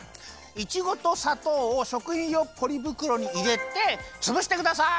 いちごとさとうをしょくひんようポリぶくろにいれてつぶしてください！